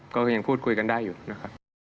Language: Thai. ก็ยังพูดคุยกันได้อยู่นะครับ